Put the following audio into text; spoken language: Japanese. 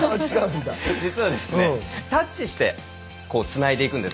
実はタッチしてつないでいくんです